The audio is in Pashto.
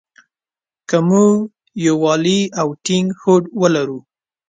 که مونږ يووالی او ټينګ هوډ ولرو.